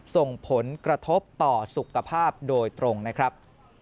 ส่งผลกระทบต่อสุขภาพโดยตรงนะครับ